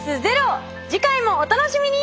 次回もお楽しみに！